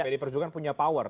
pdi perjuangan punya power